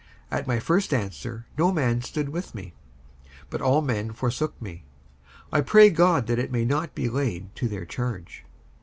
55:004:016 At my first answer no man stood with me, but all men forsook me: I pray God that it may not be laid to their charge.